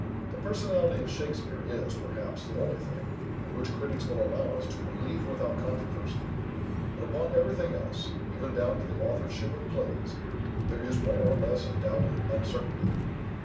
The personality of Shakespere is, perhaps, the only thing in which critics will allow us to believe without controversy; but upon everything else, even down to the authorship of plays, there is more or less of doubt and uncertainty.